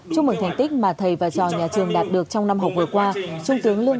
chúc mừng thành tích mà thầy và trò nhà trường đạt được trong năm học vừa qua trung tướng lương